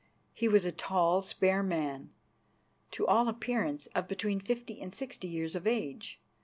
He was a tall, spare man, to all appearance of between fifty and sixty years of age.